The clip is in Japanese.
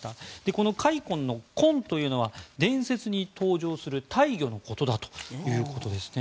この「海鯤」の鯤というのは伝説に登場する大魚のことだということですね。